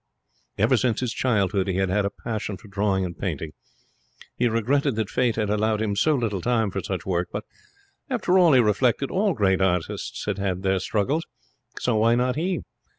Ever since his childhood he had had a passion for drawing and painting. He regretted that Fate had allowed him so little time for such work; but after all, he reflected, all great artists had had their struggles so why not he?